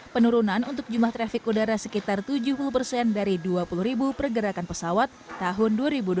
penurunan untuk jumlah trafik udara sekitar tujuh puluh persen dari dua puluh ribu pergerakan pesawat tahun dua ribu dua puluh